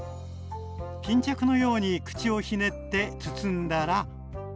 巾着のように口をひねって包んだら。